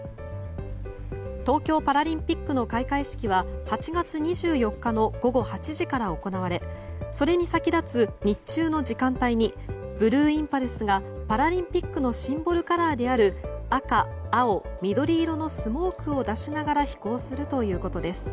東京パラリンピックの開会式は８月２４日の午後８時から行われそれに先立つ日中の時間帯にブルーインパルスがパラリンピックのシンボルカラーである赤、青、緑色のスモークを出しながら飛行するということです。